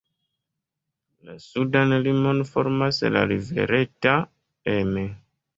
La sudan limon formas la rivero Eta Emme.